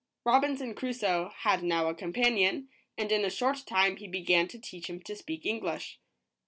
Robinson Crusoe had now a companion, and in a short time he began to teach him to speak English.